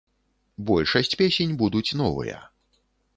Большасць песень будуць новыя.